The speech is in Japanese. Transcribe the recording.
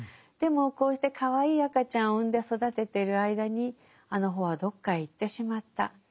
でもこうしてかわいい赤ちゃんを産んで育ててる間にあの帆はどっかへ行ってしまった。